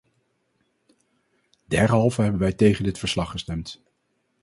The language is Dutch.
Derhalve hebben wij tegen dit verslag gestemd.